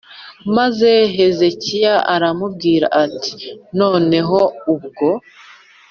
Maze Hezekiya arababwira ati None ubwo